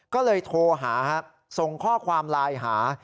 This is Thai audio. ก็เลยโทรหาส่งข้อความไลน์หา